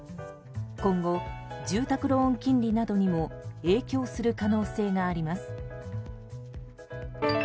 今後、住宅ローン金利などにも影響する可能性があります。